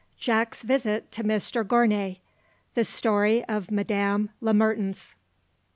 JACK'S VISIT TO MR GOURNAY THE STORY OF MADAME LE MERTENS.